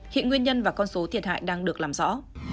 hiện nguyên nhân và con số thiệt hại đang được làm rõ